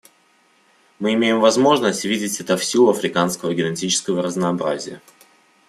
Мы имеем возможность видеть это в силу африканского генетического разнообразия.